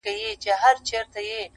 ولي مي هره شېبه; هر ساعت په غم نیسې;